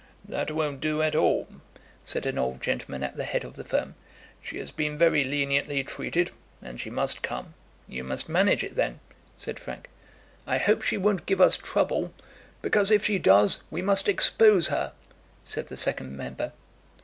"That won't do at all," said an old gentleman at the head of the firm. "She has been very leniently treated, and she must come." "You must manage it, then," said Frank. "I hope she won't give us trouble, because if she does we must expose her," said the second member.